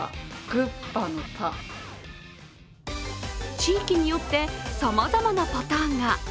地域によってさまざまなパターンが。